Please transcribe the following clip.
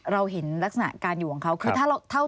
เราเห็นลักษณะการอยู่วงเขา